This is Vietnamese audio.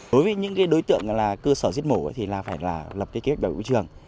đối với những đối tượng là cơ sở giết mổ thì phải lập kế hoạch bảo vệ trường